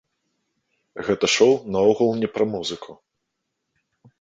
Гэта шоу наогул не пра музыку.